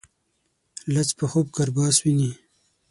لڅ په خوب کرباس ويني.